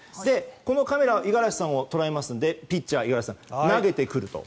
このカメラ五十嵐さんを捉えますのでピッチャー五十嵐さんが投げてくると。